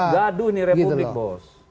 kalau spesifik gaduh ini republik bos